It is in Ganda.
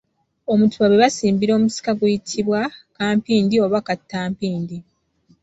Omutuba gwe basimbira omusika guyitibwa kampindi oba kattampindi.